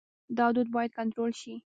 دا دود باید کنټرول شي.